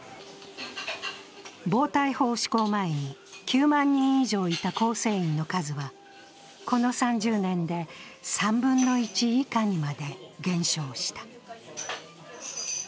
暴対法施行前に９万人以上いた構成員の数はこの３０年で、３分の１以下にまで減少した。